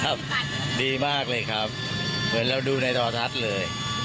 ครับดีมากเลยครับเหมือนเราดูในตราดละไปเลย